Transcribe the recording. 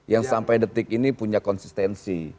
yang sampai detik ini punya konsistensi